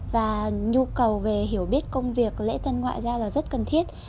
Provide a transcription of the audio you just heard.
và nhu cầu về hiểu biết công việc lễ tân ngoại giao là rất cần thiết